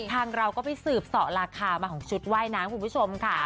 ทางเราก็ไปสืบเสาะราคามาของชุดว่ายน้ำคุณผู้ชมค่ะ